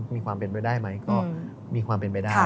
มีความเป็นไปได้ไหมก็มีความเป็นไปได้